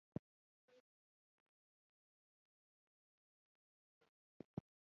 ستر ځمکوالو ته سبسایډي ورکړي.